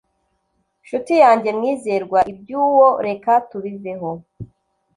nshuti yanjye Mwizerwa, iby’uwo reka tubiveho